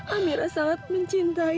amira sangat mencintai